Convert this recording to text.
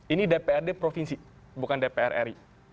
ini dprd provinsi bukan dpr ri